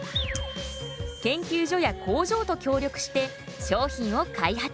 研究所や工場と協力して商品を開発。